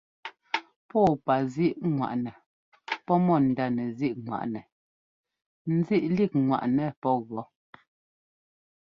Pɔ́ɔpazíꞌŋwaꞌnɛ pɔ́ mɔ ndánɛzíꞌŋwaꞌnɛ nzíꞌlíkŋwaꞌnɛ pɔ́ gɔ́.